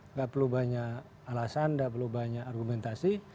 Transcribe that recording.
nggak perlu banyak alasan nggak perlu banyak argumentasi